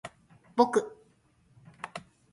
ぼく